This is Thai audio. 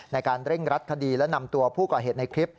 ในการเร่งรัดคดีและนำตัวผู้ก่อเหตุในคลิป